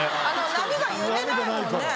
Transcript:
波が揺れないもんね。